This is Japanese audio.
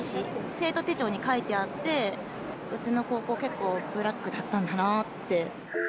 生徒手帳に書いてあって、うちの高校、結構ブラックだったんだなって。